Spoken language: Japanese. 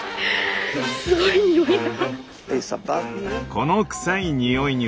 すごいにおいが。